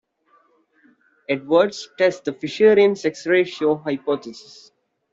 Edwards test the Fisherian sex ratio hypothesis.